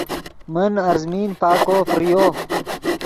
من ارزمین پاکو فریو